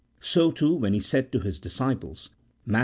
So, too, when He said to His disciples (Matt.